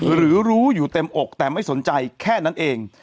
หรือรู้อยู่เต็มอกแต่ไม่สนใจแค่นั้นเอง